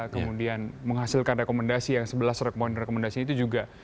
kemudian menghasilkan rekomendasi yang sebelah seragmon rekomendasi itu juga